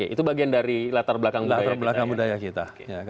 itu bagian dari latar belakang budaya kita